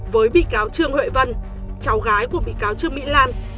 với bị cáo trương huệ vân cháu gái của bị cáo trương mỹ lan